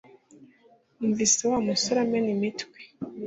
Numvise Wa musore amena imitwe